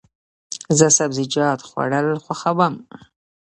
زه سبزیجات خوړل خوښوم.